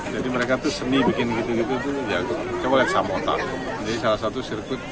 jadi mereka tuh seni bikin gitu gitu tuh ya coba lihat sama otak jadi salah satu sirkuit kamu